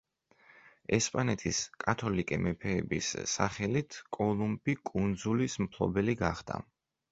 ესპანეთის „კათოლიკე მეფეების“ სახელით კოლუმბი კუნძულის მფლობელი გახდა.